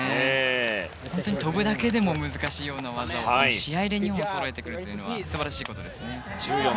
本当に跳ぶだけでも難しい技を試合で２本そろえてくるというのは素晴らしいことですね。１４．５３３